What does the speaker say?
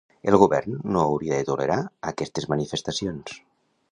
El govern no hauria de tolerar aquestes manifestacions.